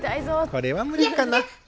これは無理かな？